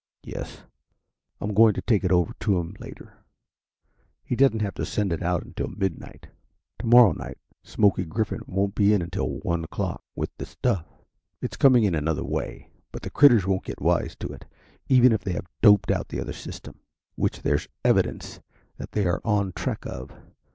"Yes. I'm going to take it over to him later. He doesn't have to send it out until midnight. Tomorrow night Smoky Griffin won't be in until one o'clock with the stuff. It's coming in another way, but the critters won't get wise to it, even if they have doped out the other system, which there's evidence that they are on track of.